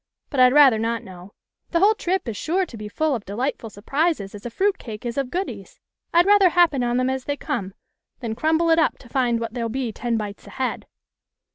But I'd rather not know. The whole trip is sure to be full of delightful surprises as a fruit cake is of goodies. I'd rather happen on them as they come, than crumble it up to find what there'll be ten bites ahead."